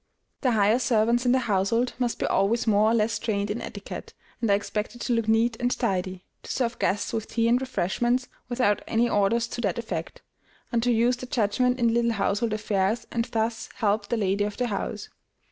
The higher servants in the household must be always more or less trained in etiquette, and are expected to look neat and tidy; to serve guests with tea and refreshments, without any orders to that effect; and to use their judgment in little household affairs, and thus help the lady of the house.